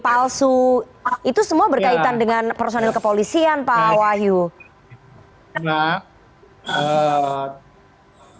palsu itu semua berkaitan dengan personil kepolisian pak wahyu tuhan itu ingin dan ini ada yang tidak benar di sini